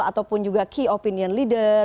ataupun juga key opinion leader